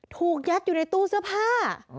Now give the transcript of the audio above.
ถูกยัดอยู่ในตู้เสื้อผ้า